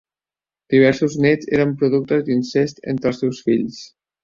Diversos néts eren productes d'incest entre els seus fills.